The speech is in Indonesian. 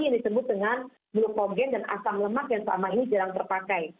yang disebut dengan glukogen dan asam lemak yang selama ini jarang terpakai